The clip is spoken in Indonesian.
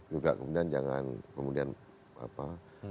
juga kemudian jangan kemudian apa